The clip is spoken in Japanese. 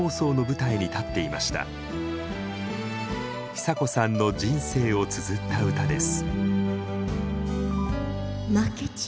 久子さんの人生をつづった歌です。